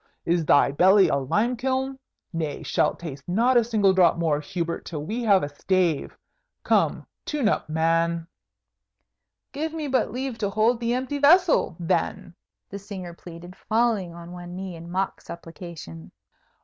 Is thy belly a lime kiln? Nay, shalt taste not a single drop more, Hubert, till we have a stave. Come, tune up, man!" "Give me but leave to hold the empty vessel, then," the singer pleaded, falling on one knee in mock supplication.